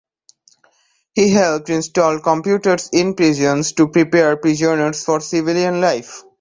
He helped install computers in prisons to prepare prisoners for civilian life.